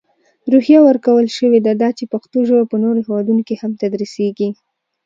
روحیه ورکول شوې ده، دا چې پښتو ژپه په نورو هیوادونو کې هم تدرېسېږي.